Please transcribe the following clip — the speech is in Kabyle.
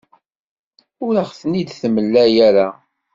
Ur aɣ-ten-id-temla ara.